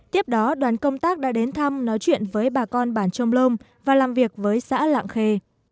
tiếp đó đoàn công tác đã đến thăm nói chuyện với bà con bản trôm lôm và làm việc với xã lạng khê